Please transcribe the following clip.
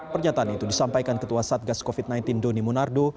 pernyataan itu disampaikan ketua satgas covid sembilan belas doni monardo